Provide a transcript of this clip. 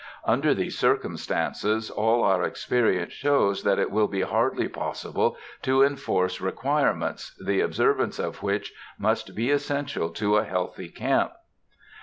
Under these circumstances, all our experience shows that it will be hardly possible to enforce requirements, the observance of which must be essential to a healthy camp.